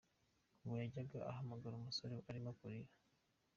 Ngo yajyaga ahamagara umusore arimo kurira.